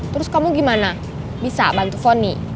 terus kamu gimana bisa bantu foni